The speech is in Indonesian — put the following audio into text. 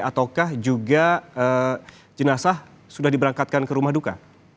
ataukah juga jenazah sudah diberangkatkan ke rumah duka